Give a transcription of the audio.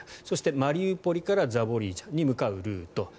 そして、マリウポリからザポリージャに向かうルート